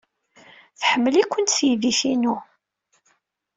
Tḥemmel-ikent teydit-inu.